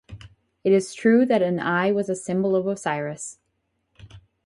It is true that an eye was a symbol of Osiris.